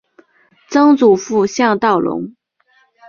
曾祖父向道隆。